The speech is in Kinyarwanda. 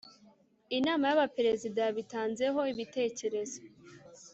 Inama y’Abaperezida yabitanzeho ibitekerezo